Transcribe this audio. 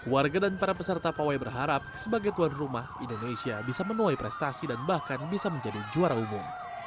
warga dan para peserta pawai berharap sebagai tuan rumah indonesia bisa menuai prestasi dan bahkan bisa menjadi juara umum